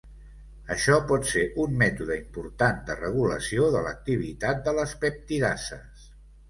Això pot ser un mètode important de regulació de l'activitat de les peptidases.